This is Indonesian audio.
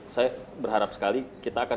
saya berharap sekali kita akan